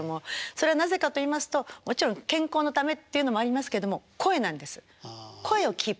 それはなぜかと言いますともちろん健康のためっていうのもありますけども声なんです。